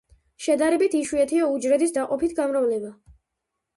შედარებით იშვიათია უჯრედის დაყოფით გამრავლება.